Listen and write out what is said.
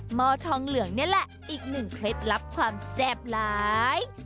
หมอทองเหลืองนี่แหละอีกหนึ่งเคล็ดลับความแซ่บหลาย